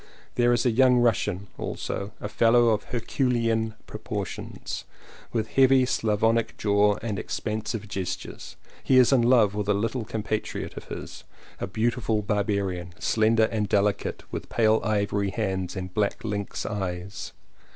There is a young Russian also — a fellow of Herculean proportions, with heavy Slavonic jaw and expansive gestures; he is in love with a little compa triot of his, a beautiful barbarian, slender and delicate, with pale ivory hands and black lynx eyes.